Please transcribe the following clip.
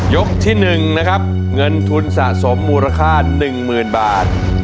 ที่๑นะครับเงินทุนสะสมมูลค่า๑๐๐๐บาท